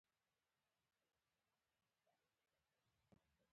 په سر کې يې معلوم او روښانه خوبونه درلودل.